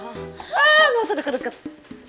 buat senang buat baru